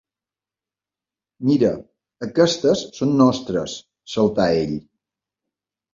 Mira, aquestes són nostres! —saltà ell.